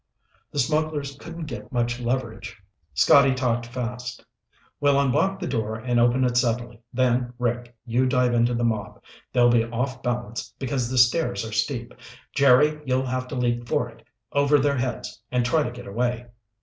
The smugglers couldn't get much leverage. Scotty talked fast. "We'll unblock the door and open it suddenly, then, Rick, you dive into the mob. They'll be off balance because the stairs are steep. Jerry, you'll have to leap for it, over their heads, and try to get away."